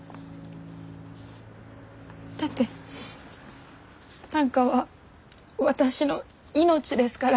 だって短歌は私の命ですから。